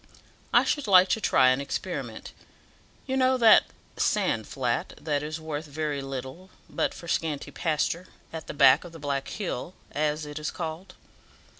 I should like to try an experiment. You know that sand flat, that is worth very little but for scanty pasture, at the back of the Black Hill, as it is called.